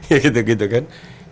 ya gitu gitu kan